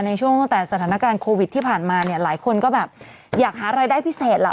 ในช่วงตั้งแต่สถานการณ์โควิดที่ผ่านมาเนี่ยหลายคนก็แบบอยากหารายได้พิเศษล่ะ